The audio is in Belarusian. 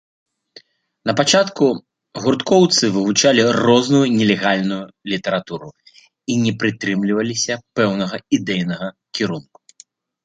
Напачатку гурткоўцы вывучалі розную нелегальную літаратуру і не прытрымліваліся пэўнага ідэйнага кірунку.